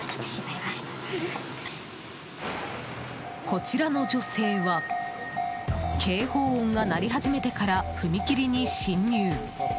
こちらの女性は警報音が鳴り始めてから踏切に進入。